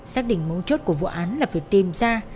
xác định mấu chốt của vụ án là phải tìm ra